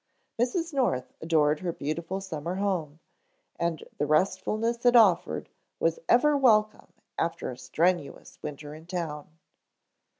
Mrs. North adored her beautiful summer home, and the restfulness it offered was ever welcome after a strenuous winter in town.